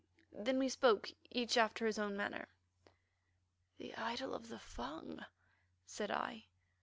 Then we spoke, each after his own manner: "The idol of the Fung!" said I.